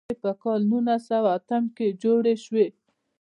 دا ټولنې په کال نولس سوه اتم کې جوړې شوې.